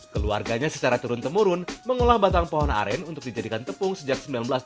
keluarganya secara turun temurun mengolah batang pohon aren untuk dijadikan tepung sejak seribu sembilan ratus delapan puluh